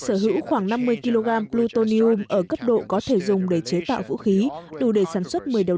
sở hữu khoảng năm mươi kg plutonium ở cấp độ có thể dùng để chế tạo vũ khí đủ để sản xuất một mươi đầu